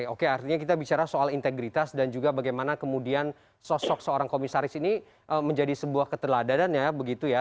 oke artinya kita bicara soal integritas dan juga bagaimana kemudian sosok seorang komisaris ini menjadi sebuah keteladanan ya begitu ya